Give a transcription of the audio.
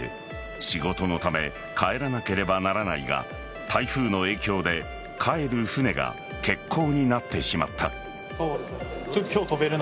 仕事のため帰らなければならないが台風の影響で帰る船が欠航になってしまった。